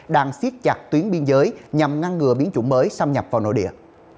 đang siết chặt tuyến biên giới nhằm ngăn ngừa biến chủng mới xâm nhập vào nội địa